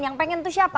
yang pengen itu siapa